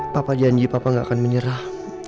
papa janji papa gak akan menyerah